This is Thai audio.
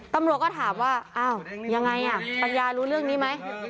ตำรวจก็ถามว่าอ้าวยังไงปัญญารู้เรื่องนี้ไหม